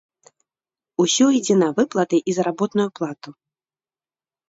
Усё ідзе на выплаты і заработную плату.